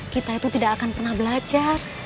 kita itu tidak akan pernah belajar